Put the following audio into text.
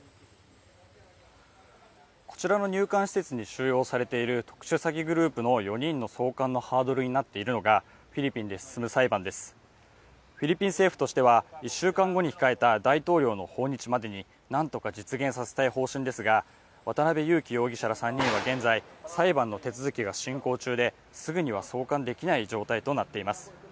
こちらの入管施設に収容されている特殊詐欺グループの４人の送還のハードルになっているのがフィリピンで進む裁判ですフィリピン政府としては１週間後に控えた大統領の訪日までになんとか実現させたい方針ですが渡辺優樹容疑者ら３人は現在裁判の手続きが進行中ですぐには送還できない状態となっています